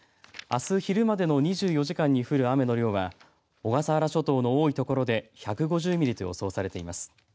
あす昼までの２４時間に降る雨の量は小笠原諸島の多い所で１５０ミリと予想されています。